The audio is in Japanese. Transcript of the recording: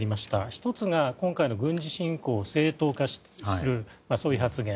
１つが今回の軍事侵攻を正当化するそういう発言。